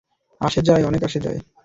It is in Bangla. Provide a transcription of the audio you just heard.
আসে যায়, অনেক আসে যায়।